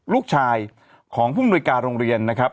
ลูกชายของผู้มนุยการโรงเรียนนะครับ